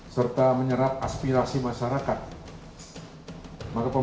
maka pemerintah dan pemerintah di indonesia tidak akan bergabung dengan kegiatan ini